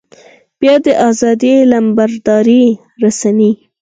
بيا د ازادۍ علمبردارې رسنۍ.